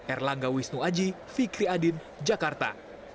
erlangga wisnu aji fikri adin jakarta